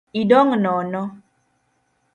Idong’ nono